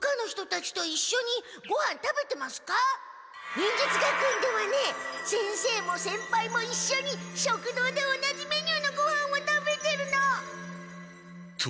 忍術学園ではね先生も先輩もいっしょに食堂で同じメニューのごはんを食べてるの！と。